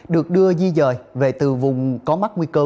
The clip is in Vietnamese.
được đưa di dời về từ vùng có mắc nguy cơ